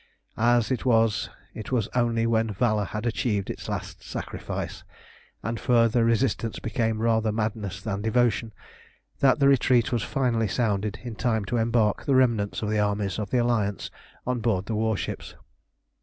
As it was, it was only when valour had achieved its last sacrifice, and further resistance became rather madness than devotion, that the retreat was finally sounded in time to embark the remnants of the armies of the Alliance on board the warships.